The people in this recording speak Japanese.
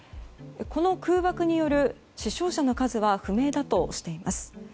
この空爆による死傷者の数は不明だとしています。